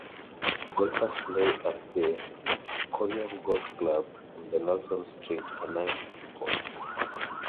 Golfers play at the Corryong Golf Club on Donaldson Street, a nine-hole course.